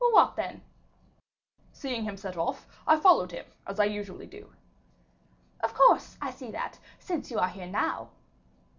"What then?" "Seeing him set off, I followed him, as I usually do." "Of course, I see that, since you are here now."